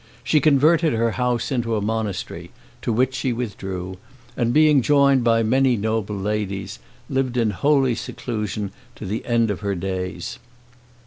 She converted her house into a monastery, to which she withdrew, and, being joined by many noble ladies, lived in holy seclusion to the end of her days.